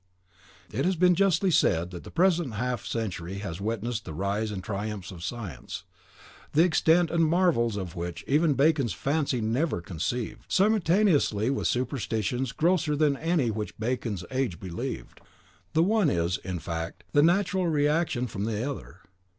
It has been justly said that the present half century has witnessed the rise and triumphs of science, the extent and marvels of which even Bacon's fancy never conceived, simultaneously with superstitions grosser than any which Bacon's age believed. "The one is, in fact, the natural reaction from the other.